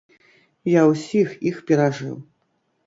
Я усіх іх перажыў.